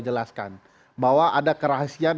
jelaskan bahwa ada kerahasiaan